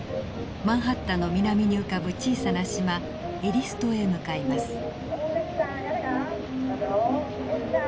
マンハッタンの南に浮かぶ小さな島エリス島へ向かいます。